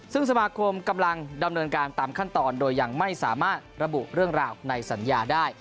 ซึ่งสมาคมกำลังดำเนินการตามขั้นตอนโดยยังไม่สามารถระบุเรื่องราวในสัญญาได้